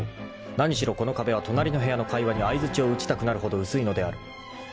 ［何しろこの壁は隣の部屋の会話に相づちを打ちたくなるほど薄いのである］